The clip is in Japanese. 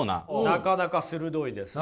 なかなか鋭いです。